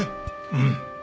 うん。